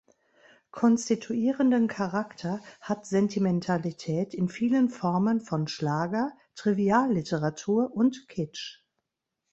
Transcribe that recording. Konstituierenden Charakter hat Sentimentalität in vielen Formen von Schlager, Trivialliteratur und Kitsch.